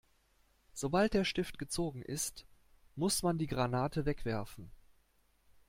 Sobald der Stift gezogen ist, muss man die Granate wegwerfen.